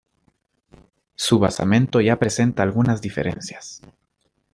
Su basamento ya presenta algunas diferencias.